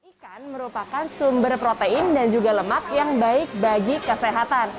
ikan merupakan sumber protein dan juga lemak yang baik bagi kesehatan